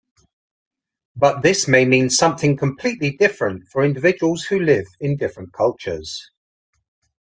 But this may mean something completely different for individuals who live in different cultures.